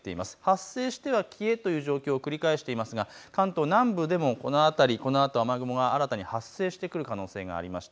発生しては消えという状況、繰り返していますが関東南部でもこの辺り、雨雲、新たに発生する可能性があります。